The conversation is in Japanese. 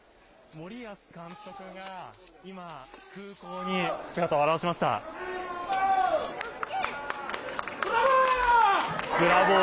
森保監督が今、空港に姿を現しまブラボー！